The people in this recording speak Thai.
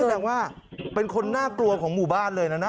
นี่แสดงว่าเป็นคนหน้าตัวของหมู่บ้านเลยนะ